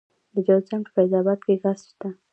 د جوزجان په فیض اباد کې ګاز شته.